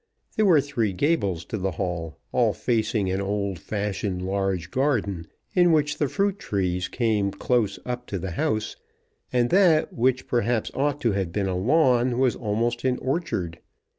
There were three gables to the hall, all facing an old fashioned large garden, in which the fruit trees came close up to the house, and that which perhaps ought to have been a lawn was almost an orchard.